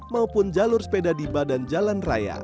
maupun jalur sepeda di badan jalan raya